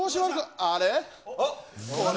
あれ？